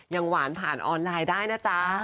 หวานผ่านออนไลน์ได้นะจ๊ะ